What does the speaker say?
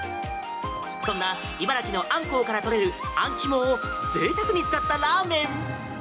そんな、茨城のアンコウから取れるあん肝をぜいたくに使ったラーメン。